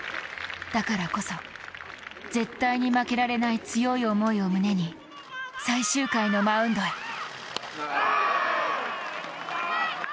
だからこそ、絶対に負けられない強い思いを胸に、最終回のマウンドへ。